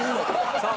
さあ。